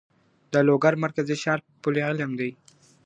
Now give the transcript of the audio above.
د لوګر مرکزي ښار پل علم دی.